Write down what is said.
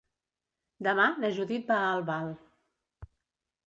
Demà na Judit va a Albal.